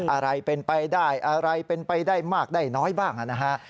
อะไรเป็นไปได้อะไรเป็นไปได้มากได้น้อยบ้างนะฮะ